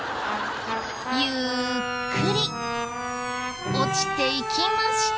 ゆっくり落ちていきました。